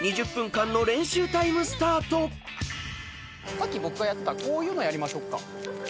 さっき僕がやってたこういうのやりましょうか。